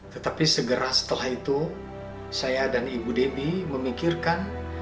tetapi segera setelah itu saya dan ibu debbie memikirkan